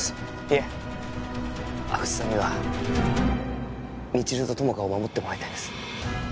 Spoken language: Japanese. いえ阿久津さんには未知留と友果を守ってもらいたいんです